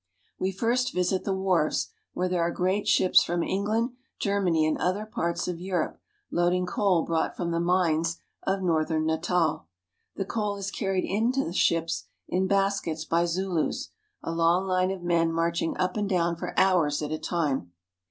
We first visit the wharves, where there are great ships from England, Germany, and other parts of Europe load ing coal brought from the mines of northern Natal, The coal is ^^^^^^^H carried into the ships in baskets ^^^^^^I^^^^^^H by a long of men |^^^^^^^^| marching up and down for hours at a time.